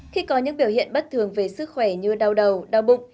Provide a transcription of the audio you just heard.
khi có những biểu hiện bất thường về sức khỏe như đau đầu đau bụng